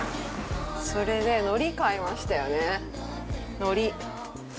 それで、海苔、買いましたよね海苔。